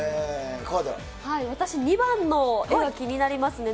私、２番の絵が気になりますね。